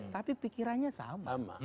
tapi pikirannya sama